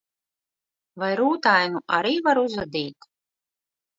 Vai rūtainu arī var uzadīt?